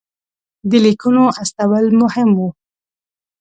د لیکونو استول مهم وو.